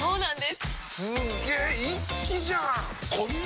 すげ一気じゃん！